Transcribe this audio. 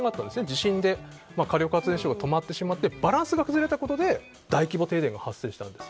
地震で火力発電所が止まってしまってバランスが崩れたことで大規模停電が発生したんです。